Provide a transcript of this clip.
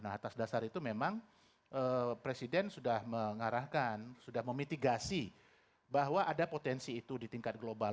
nah atas dasar itu memang presiden sudah mengarahkan sudah memitigasi bahwa ada potensi itu di tingkat global